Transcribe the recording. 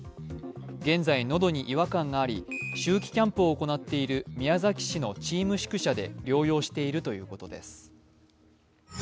現在、喉に違和感があり秋季キャンプを行っている宮崎市のチーム宿舎で療養しているということです。